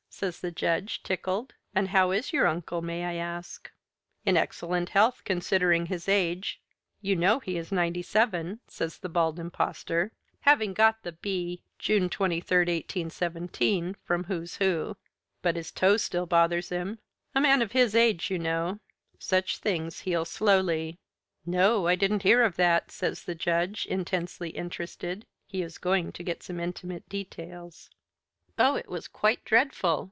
says the Judge, tickled, "and how is your uncle, may I ask?" "In excellent health considering his age. You know he is ninety seven," says the Bald Impostor, having got the "b. June 23, 1817" from "Who's Who." "But his toe still bothers him. A man of his age, you know. Such things heal slowly." "No! I didn't hear of that," says the Judge, intensely interested. He is going to get some intimate details. "Oh, it was quite dreadful!"